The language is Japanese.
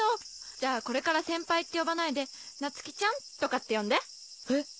じゃあこれから「先輩」って呼ばないで「夏希ちゃん」とかって呼んで。え？